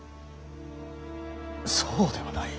そうではない。